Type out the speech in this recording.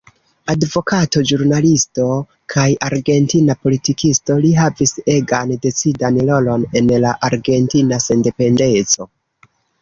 Advokato, ĵurnalisto kaj argentina politikisto, li havis egan decidan rolon en la Argentina Sendependeco.